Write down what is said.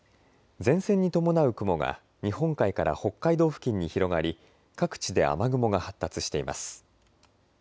前線に伴う雲が日本海から北海道付近に広がり各地で雨雲が発達しています。